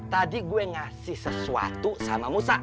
tadi gue ngasih sesuatu sama musa